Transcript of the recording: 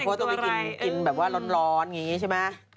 เพราะต้องไปกินแบบว่าร้อนอย่างนี้ใช่ไหม